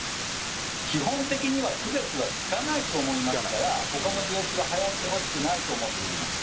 基本的には区別はつかないと思いますから他の病気ははやってほしくないと思っています。